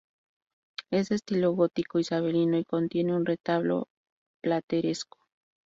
Es de estilo gótico isabelino y contiene un retablo plateresco.